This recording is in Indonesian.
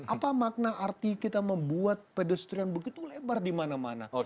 apa makna arti kita membuat pedestrian begitu lebar di mana mana